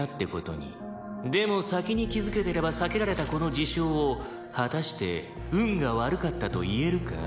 「でも先に気づけてれば避けられたこの事象を果たして運が悪かったと言えるか？」